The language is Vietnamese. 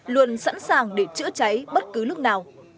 luôn sẵn sàng để chữa cháy bất cứ lúc nào